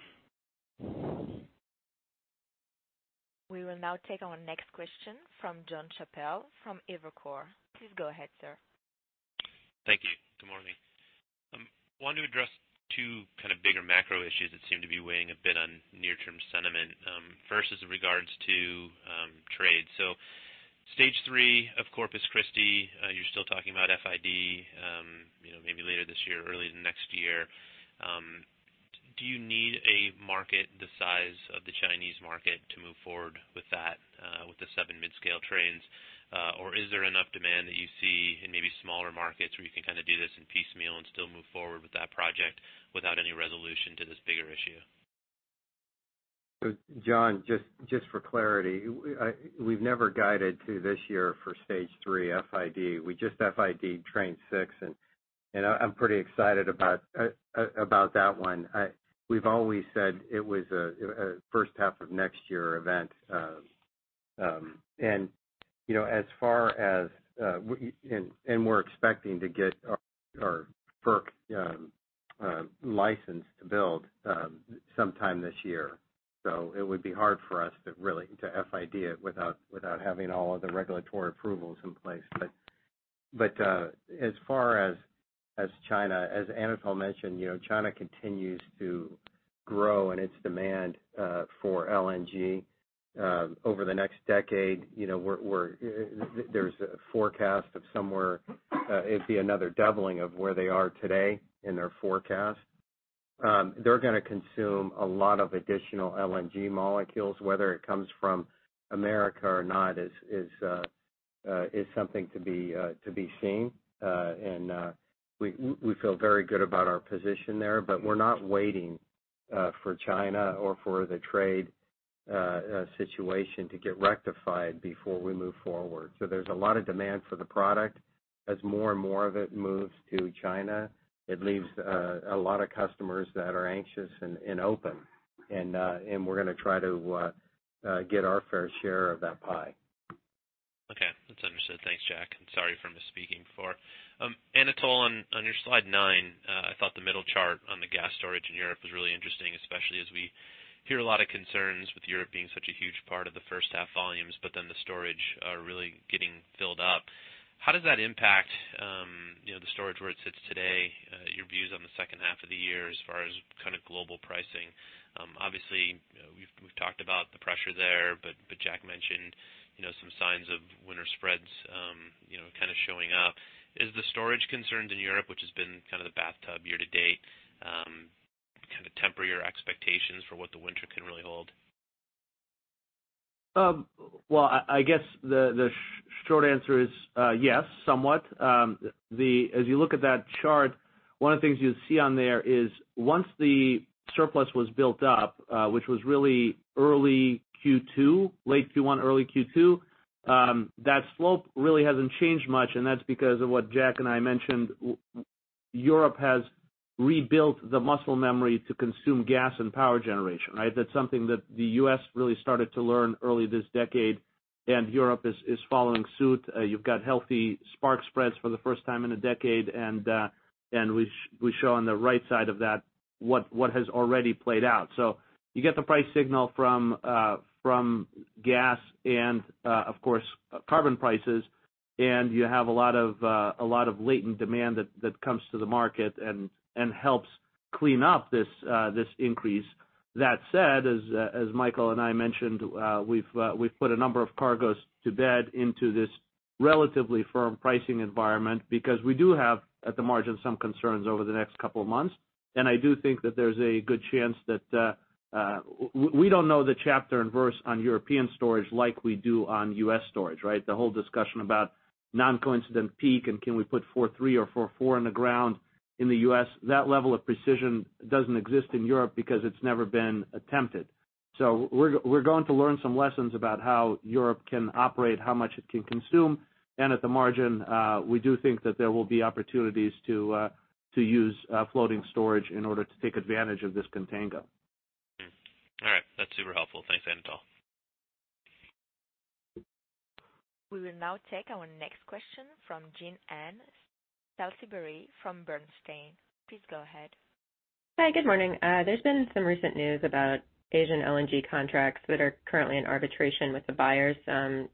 We will now take our next question from Jonathan Chappell from Evercore. Please go ahead, sir. Thank you. Good morning. I wanted to address two kind of bigger macro issues that seem to be weighing a bit on near-term sentiment. First is in regards to trade. Stage 3 of Corpus Christi, you're still talking about FID maybe later this year or early next year. Do you need a market the size of the Chinese market to move forward with that with the seven mid-scale trains? Is there enough demand that you see in maybe smaller markets where you can kind of do this in piecemeal and still move forward with that project without any resolution to this bigger issue? John, just for clarity, we've never guided to this year for stage 3 FID. We just FID-ed train 6, and I'm pretty excited about that one. We've always said it was a first half of next year event. We're expecting to get our FERC license to build sometime this year. It would be hard for us to really to FID it without having all of the regulatory approvals in place. As far as China, as Anatol mentioned, China continues to grow in its demand for LNG. Over the next decade, there's a forecast of somewhere. It'd be another doubling of where they are today in their forecast. They're going to consume a lot of additional LNG molecules. Whether it comes from America or not is something to be seen. We feel very good about our position there. We're not waiting for China or for the trade situation to get rectified before we move forward. There's a lot of demand for the product. As more and more of it moves to China, it leaves a lot of customers that are anxious and open. We're going to try to get our fair share of that pie. Okay. That's understood. Thanks, Jack, and sorry for misspeaking before. Anatol, on your slide nine, I thought the middle chart on the gas storage in Europe was really interesting, especially as we hear a lot of concerns with Europe being such a huge part of the first half volumes, but then the storage really getting filled up. How does that impact the storage where it sits today, your views on the second half of the year as far as kind of global pricing? Obviously, we've talked about the pressure there, but Jack mentioned some signs of winter spreads kind of showing up. Is the storage concerns in Europe, which has been kind of the bathtub year to date, kind of temper your expectations for what the winter can really hold? Well, I guess the short answer is yes, somewhat. As you look at that chart, one of the things you'll see on there is once the surplus was built up, which was really early Q2, late Q1, early Q2, that slope really hasn't changed much, and that's because of what Jack and I mentioned. Europe has rebuilt the muscle memory to consume gas and power generation, right? That's something that the U.S. really started to learn early this decade, and Europe is following suit. You've got healthy spark spreads for the first time in a decade, and we show on the right side of that what has already played out. You get the price signal from gas and, of course, carbon prices, and you have a lot of latent demand that comes to the market and helps clean up this increase. That said, as Michael and I mentioned, we've put a number of cargoes to bed into this relatively firm pricing environment because we do have, at the margin, some concerns over the next couple of months. I do think that there's a good chance that we don't know the chapter and verse on European storage like we do on U.S. storage, right? The whole discussion about non-coincident peak and can we put four-three or four-four in the ground in the U.S. That level of precision doesn't exist in Europe because it's never been attempted. We're going to learn some lessons about how Europe can operate, how much it can consume, and at the margin, we do think that there will be opportunities to use floating storage in order to take advantage of this contango. All right. That's super helpful. Thanks, Anatol. We will now take our next question from Jean Ann Salisbury from Bernstein. Please go ahead. Hi, good morning. There's been some recent news about Asian LNG contracts that are currently in arbitration with the buyers. Can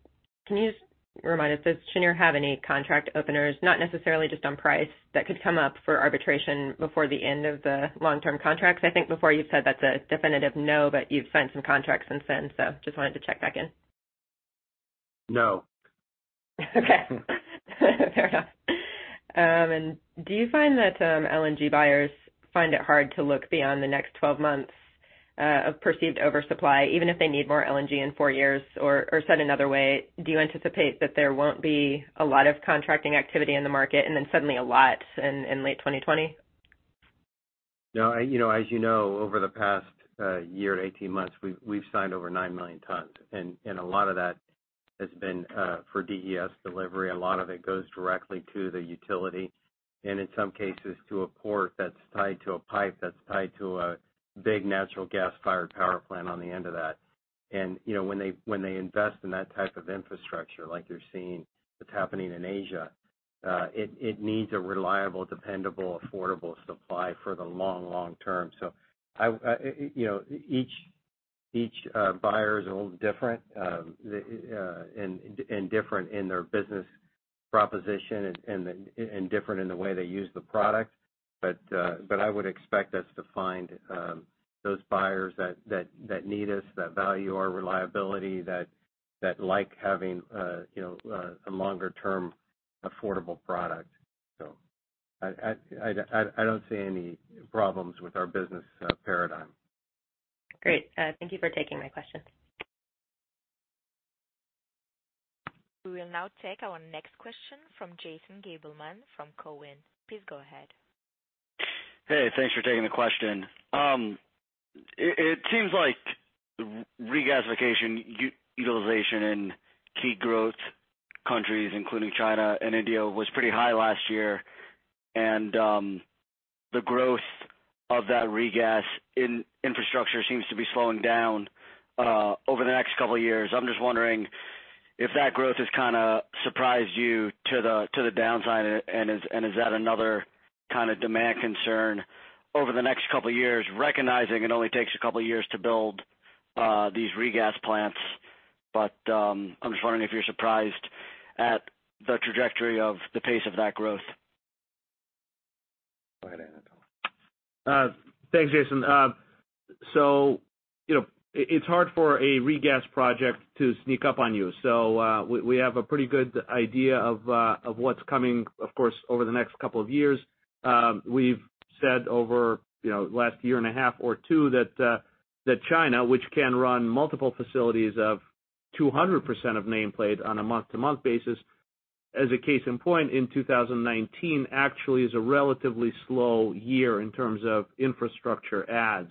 you just remind us, does Cheniere have any contract openers, not necessarily just on price, that could come up for arbitration before the end of the long-term contracts? I think before you've said that's a definitive no, but you've signed some contracts since then, so just wanted to check back in. No. Okay. Fair enough. Do you find that LNG buyers find it hard to look beyond the next 12 months of perceived oversupply, even if they need more LNG in four years? Said another way, do you anticipate that there won't be a lot of contracting activity in the market and then suddenly a lot in late 2020? No. As you know, over the past year to 18 months, we've signed over 9 million tons, and a lot of that has been for DES delivery. A lot of it goes directly to the utility, and in some cases, to a port that's tied to a pipe, that's tied to a big natural gas-fired power plant on the end of that. When they invest in that type of infrastructure like you're seeing that's happening in Asia, it needs a reliable, dependable, affordable supply for the long, long term. Each buyer is a little different, and different in their business proposition and different in the way they use the product. I would expect us to find those buyers that need us, that value our reliability, that like having a longer-term affordable product. I don't see any problems with our business paradigm. Great. Thank you for taking my question. We will now take our next question from Jason Gabelman from Cowen. Please go ahead. Hey, thanks for taking the question. It seems like regasification utilization in key growth countries, including China and India, was pretty high last year. The growth of that regas infrastructure seems to be slowing down over the next couple of years. I'm just wondering if that growth has kind of surprised you to the downside, and is that another kind of demand concern over the next couple of years, recognizing it only takes a couple of years to build these regas plants. I'm just wondering if you're surprised at the trajectory of the pace of that growth. Go ahead, Anatol. Thanks, Jason. It's hard for a regas project to sneak up on you. We have a pretty good idea of what's coming, of course, over the next couple of years. We've said over the last year and a half or two that China, which can run multiple facilities of 200% of nameplate on a month-to-month basis, as a case in point in 2019, actually is a relatively slow year in terms of infrastructure adds.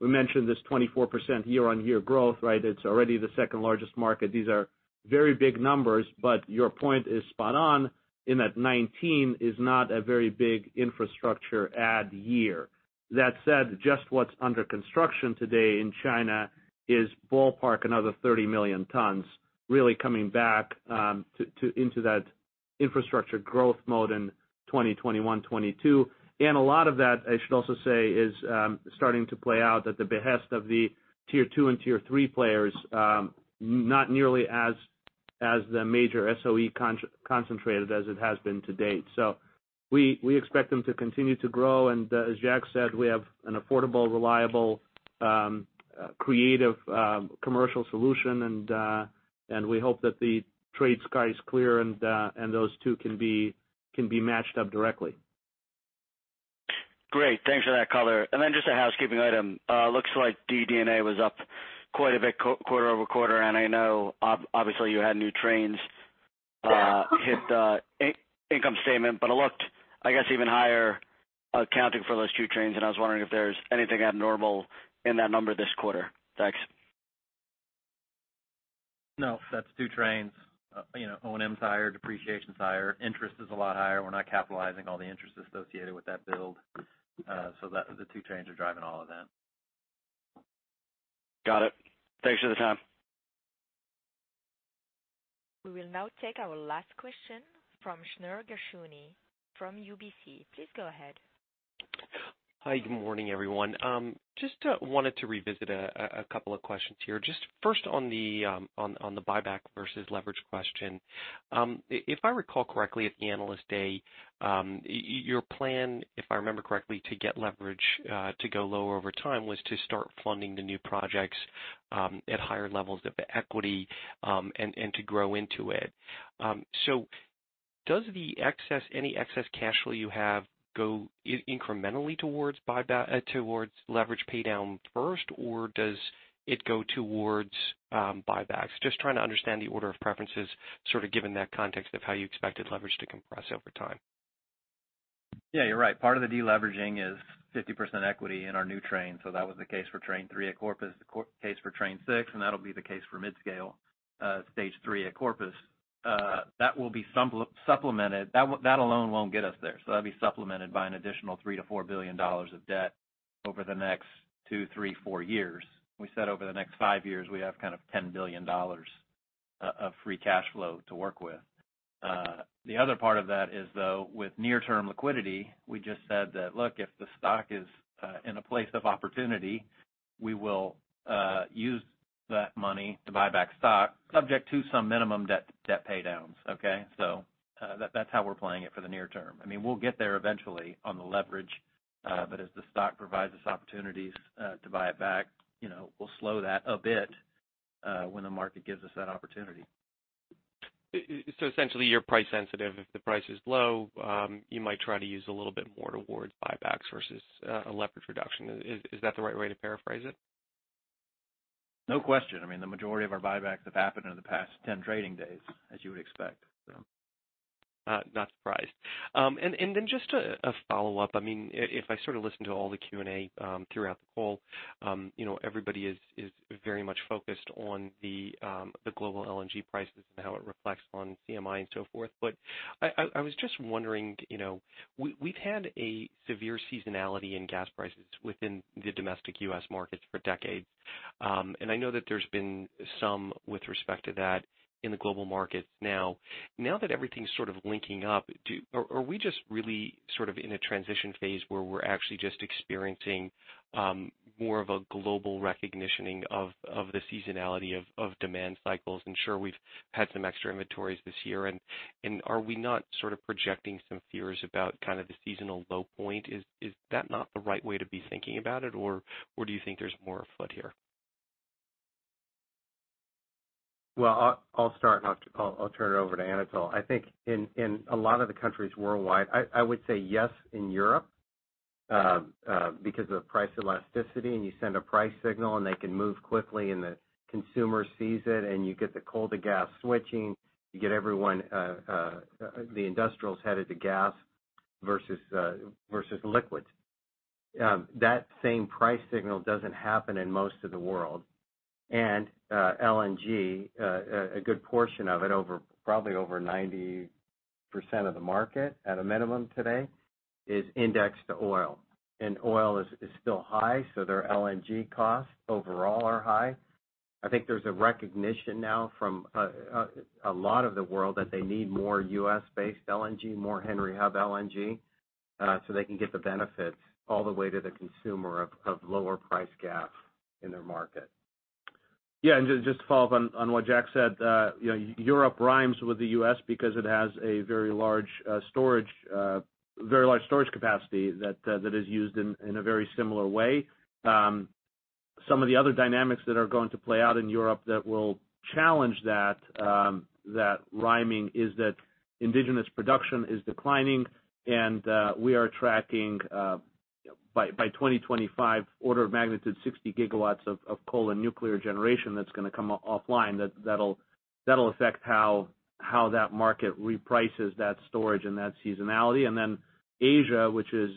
We mentioned this 24% year-on-year growth, right? It's already the second-largest market. These are very big numbers, but your point is spot on in that 2019 is not a very big infrastructure add year. That said, just what's under construction today in China is ballpark another 30 million tons really coming back into that infrastructure growth mode in 2021, 2022. A lot of that, I should also say, is starting to play out at the behest of the tier 2 and tier 3 players, not nearly as the major SOE-concentrated as it has been to date. We expect them to continue to grow. As Jack said, we have an affordable, reliable, creative commercial solution. We hope that the trade sky is clear, and those two can be matched up directly. Great. Thanks for that color. Just a housekeeping item. Looks like DD&A was up quite a bit quarter-over-quarter. I know obviously you had new trains. Yeah hit the income statement, but it looked, I guess, even higher accounting for those two trains, and I was wondering if there's anything abnormal in that number this quarter. Thanks. No. That's two trains. O&M's higher, depreciation's higher. Interest is a lot higher. We're not capitalizing all the interest associated with that build. The two trains are driving all of that. Got it. Thanks for the time. We will now take our last question from Shneur Gershuni from UBS. Please go ahead. Hi, good morning, everyone. Just wanted to revisit a couple of questions here. Just first on the buyback versus leverage question. If I recall correctly at the Analyst Day, your plan, if I remember correctly, to get leverage to go lower over time was to start funding the new projects at higher levels of equity, and to grow into it. Does any excess cash flow you have go incrementally towards leverage paydown first, or does it go towards buybacks? Just trying to understand the order of preferences, sort of given that context of how you expected leverage to compress over time. You're right. Part of the deleveraging is 50% equity in our new train. That was the case for train 3 at Corpus, the case for train 6, and that'll be the case for mid-scale stage 3 at Corpus. That alone won't get us there. That'll be supplemented by an additional $3 billion-$4 billion of debt over the next two, three, four years. We said over the next five years, we have kind of $10 billion of free cash flow to work with. The other part of that is, though, with near-term liquidity, we just said that, look, if the stock is in a place of opportunity, we will use that money to buy back stock subject to some minimum debt paydowns. Okay. That's how we're playing it for the near term. We'll get there eventually on the leverage. As the stock provides us opportunities to buy it back, we'll slow that a bit when the market gives us that opportunity. Essentially, you're price sensitive. If the price is low, you might try to use a little bit more towards buybacks versus a leverage reduction. Is that the right way to paraphrase it? No question. The majority of our buybacks have happened in the past 10 trading days, as you would expect. Not surprised. Just a follow-up. If I sort of listen to all the Q&A throughout the call, everybody is very much focused on the global LNG prices and how it reflects on CMI and so forth. I was just wondering, we've had a severe seasonality in gas prices within the domestic U.S. markets for decades. I know that there's been some with respect to that in the global markets now. Now that everything's sort of linking up, are we just really sort of in a transition phase where we're actually just experiencing more of a global recognitioning of the seasonality of demand cycles? Sure, we've had some extra inventories this year, are we not sort of projecting some fears about kind of the seasonal low point? Is that not the right way to be thinking about it, or do you think there's more afoot here? Well, I'll start and I'll turn it over to Anatol. I think in a lot of the countries worldwide, I would say yes in Europe, because of price elasticity, and you send a price signal, and they can move quickly, and the consumer sees it, and you get the coal-to-gas switching. You get everyone, the industrials, headed to gas versus liquids. That same price signal doesn't happen in most of the world. LNG, a good portion of it, probably over 90% of the market at a minimum today, is indexed to oil. Oil is still high. Their LNG costs overall are high. I think there's a recognition now from a lot of the world that they need more U.S.-based LNG, more Henry Hub LNG, so they can get the benefits all the way to the consumer of lower-priced gas in their market. Just to follow up on what Jack said. Europe rhymes with the U.S. because it has a very large storage capacity that is used in a very similar way. Some of the other dynamics that are going to play out in Europe that will challenge that rhyming is that indigenous production is declining, we are tracking, by 2025, order of magnitude 60 gigawatts of coal and nuclear generation that's going to come offline. That'll affect how that market reprices that storage and that seasonality. Asia, which is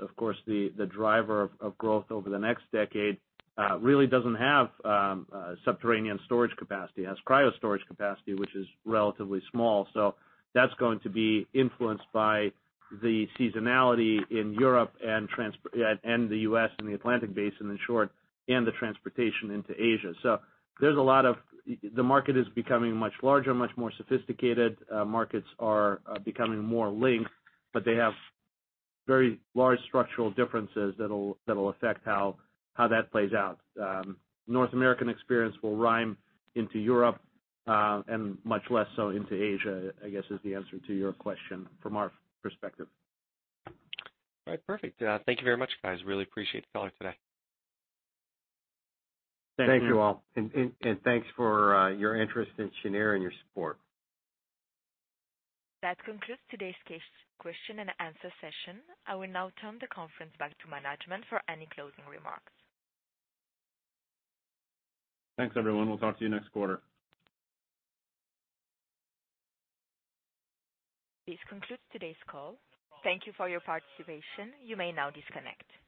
of course the driver of growth over the next decade, really doesn't have subterranean storage capacity. It has cryo storage capacity, which is relatively small. That's going to be influenced by the seasonality in Europe and the U.S. and the Atlantic Basin, in short, and the transportation into Asia. The market is becoming much larger, much more sophisticated. Markets are becoming more linked, but they have very large structural differences that'll affect how that plays out. North American experience will rhyme into Europe, and much less so into Asia, I guess is the answer to your question from our perspective. All right, perfect. Thank you very much, guys. Really appreciate the call today. Thank you. Thank you all, and thanks for your interest in Cheniere and your support. That concludes today's question and answer session. I will now turn the conference back to management for any closing remarks. Thanks, everyone. We'll talk to you next quarter. This concludes today's call. Thank you for your participation. You may now disconnect.